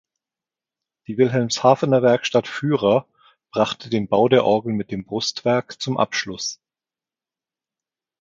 Die Wilhelmshavener Werkstatt Führer brachte den Bau der Orgel mit dem Brustwerk zum Abschluss.